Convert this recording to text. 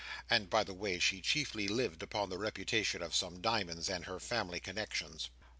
And by the way, she chiefly lived upon the reputation of some diamonds, and her family connexions.